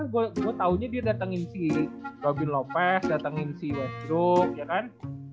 gue taunya dia datangin si robin lopez datangin si westbrook ya kan